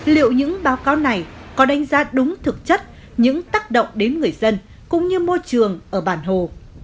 liệu những báo cáo này có đánh giá đúng thực chất những tác động đến người dân cũng như môi trường ở bản hồ